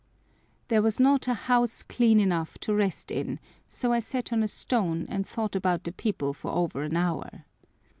There was not a house clean enough to rest in, so I sat on a stone and thought about the people for over an hour.